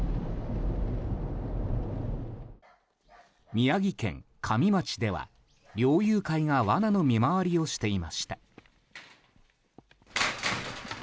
宮城県加美町では猟友会が罠の見回りをしていました。